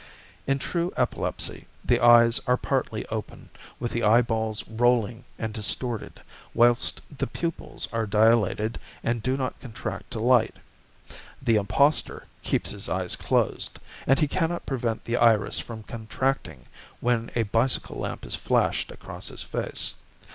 In true epilepsy the eyes are partly open, with the eyeballs rolling and distorted, whilst the pupils are dilated and do not contract to light; the impostor keeps his eyes closed, and he cannot prevent the iris from contracting when a bicycle lamp is flashed across his face.